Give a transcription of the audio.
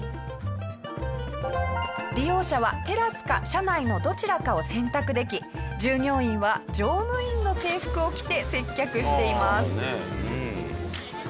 利用者はテラスか車内のどちらかを選択でき従業員は乗務員の制服を着て接客しています。